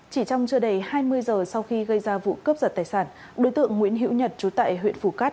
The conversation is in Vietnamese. chỉ trong trưa đầy hai mươi giờ sau khi gây ra vụ cướp giật tài sản đối tượng nguyễn hiễu nhật trú tại huyện phù cát